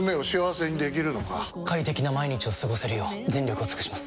快適な毎日を過ごせるよう全力を尽くします！